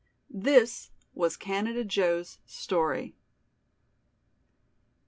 This was Canada Joe's story.